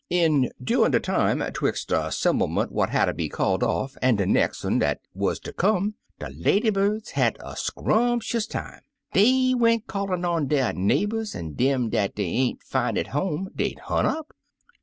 Endurin* de time 'twix* de' semblement what hatter be called off, an' de nex' un dat wuz ter come, de lady birds had a scrumptious time. Dey went callin* on der neighbors, an' dem dat dey ain'vfi^^' at home dey'd hunt up.